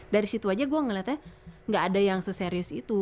dari situ aja gue ngeliatnya gak ada yang seserius itu